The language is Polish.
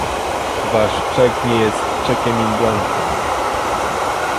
Wasz czek nie jest czekiem in blanco